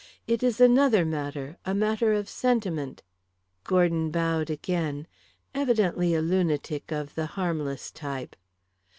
It is another matter a matter of sentiment." Gordon bowed again; evidently a lunatic of the harmless type.